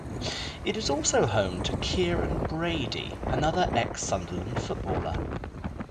It is also home to Kieron Brady, another ex-Sunderland footballer.